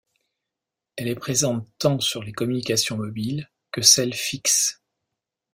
Elle est présente tant sur les communications mobiles, que celles fixe.